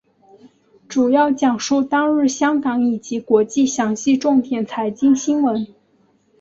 主要讲述当日香港以及国际详细重点财经新闻。